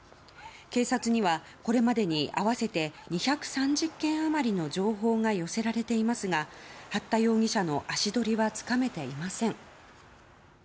警察には、これまでに合わせて２３０件余りの情報が寄せられていますが八田容疑者の足取りはつかめていません。